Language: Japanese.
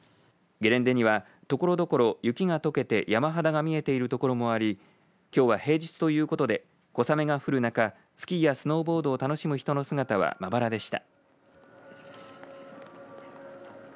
ゲレンデにはところどころ雪がとけて山肌が見えている所もありきょうは平日ということで小雨が降る中スキーやスノーボードを楽しむ人の姿はまばらでした。